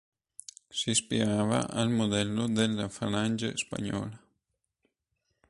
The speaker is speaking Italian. S’ispirava al modello della Falange spagnola.